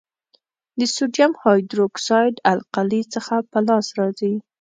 د سوډیم هایدرو اکسایډ القلي څخه په لاس راځي.